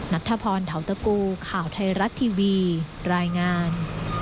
นัทธพรเทาตะกูข่าวไทยรัฐทีวีรายงาน